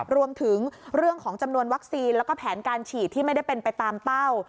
รวมถึงเรื่องของจำนวนวัคซีนแล้วก็แผนการฉีดที่ไม่ได้เป็นไปตามเป้า